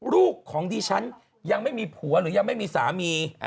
ลูกของดิฉันยังไม่มีผัวหรือยังไม่มีสามี